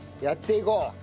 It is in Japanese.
やっていこう！